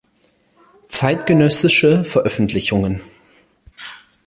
Zeitgenössische Veröffentlichungen